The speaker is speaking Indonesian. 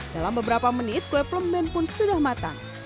dalam beberapa menit kue plemen pun sudah matang